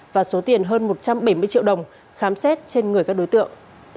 và số tiền hơn một trăm bảy mươi triệu đồng khám xét trên người các đối tượng